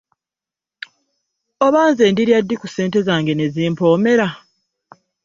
Oba nze ndirya ddi ku ssente zange ne zimpoomera?